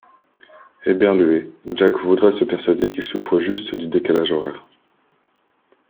Éberlué, Jack voudrait se persuader qu’il souffre juste du décalage horaire.